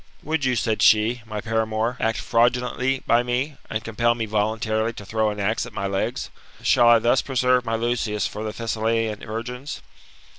Would you, said she, my paramour, act fraudulently by me, and compel me voluntanly to throw an axe at my legs? Shall I thus preserve my Lucius for the Thessalian virgins ?